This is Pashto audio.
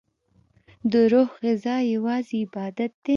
دروح غذا یوازی عبادت دی